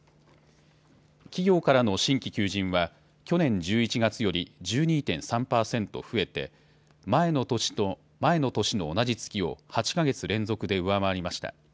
企業からの新規求人は去年１１月より１２．３％増えて前の年の同じ月を８か月連続で上回りました。